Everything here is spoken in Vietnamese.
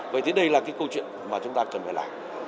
vậy thì đây là cái câu chuyện mà chúng ta cần phải làm